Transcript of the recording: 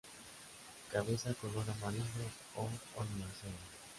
Cabeza color amarillo a oliváceo.